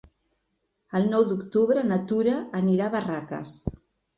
El nou d'octubre na Tura anirà a Barraques.